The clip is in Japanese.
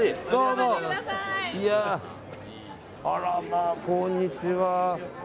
あらま、こんにちは。